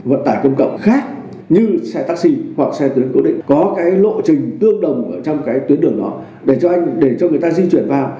vận tải công cộng khác như xe taxi hoặc xe tuyến tố định có cái lộ trình tương đồng trong cái tuyến đường đó để cho người ta di chuyển vào